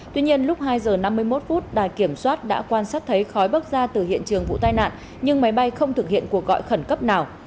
tuy nhiên lúc hai giờ năm mươi một phút đài kiểm soát đã quan sát thấy khói bốc ra từ hiện trường vụ tai nạn nhưng máy bay không thực hiện cuộc gọi khẩn cấp nào